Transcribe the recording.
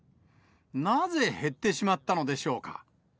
なぜ減ってしまったのでしょうか。